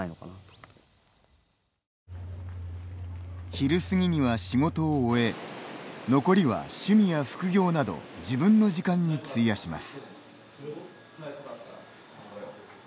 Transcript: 昼過ぎには仕事を終え残りは趣味や副業など自分の時間に費やします。